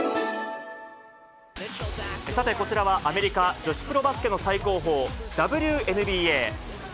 さてこちらは、アメリカ女子プロバスケの最高峰、ＷＮＢＡ。